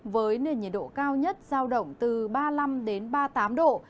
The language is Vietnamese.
với nền nhiệt độ cao nhất giao động từ ba mươi năm ba mươi tám độ